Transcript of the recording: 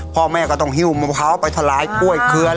พ่อแม่ก็ต้องเหี่ยวเขาไปทลายภูมิเครือ